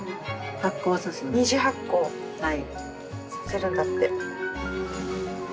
２次発酵させるんだって。